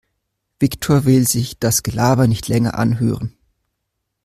Viktor will sich das Gelaber nicht länger anhören.